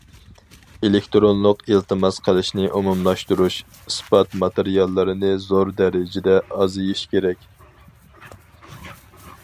ئېلېكتىرونلۇق ئىلتىماس قىلىشنى ئومۇملاشتۇرۇش، ئىسپات ماتېرىياللىرىنى زور دەرىجىدە ئازىيىش كېرەك.